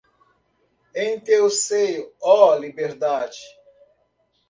Em teu seio, ó Liberdade